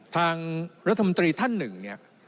ทางรัฐมนตรีท่านหนึ่ง